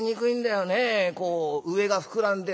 こう上が膨らんで」。